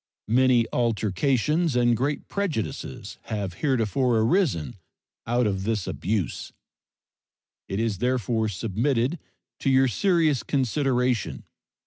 Many altercations and great prejudices have heretofore arisen out of this abuse. It is therefore submitted to your serious consideration.